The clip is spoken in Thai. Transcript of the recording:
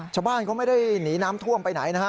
ชาวบ้านเขาไม่ได้หนีน้ำท่วมไปไหนนะฮะ